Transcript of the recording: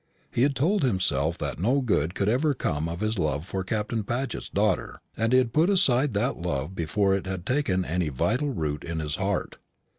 He had told himself that no good could ever come of his love for Captain Paget's daughter, and he had put aside that love before it had taken any vital root in his heart.